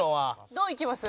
どういきます？